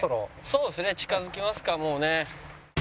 そうですね近づきますかもうね。